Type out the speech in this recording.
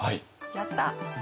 やった！